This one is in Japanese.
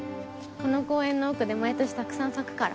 この公園の奥で毎年たくさん咲くから。